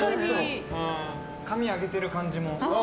髪を上げてる感じも。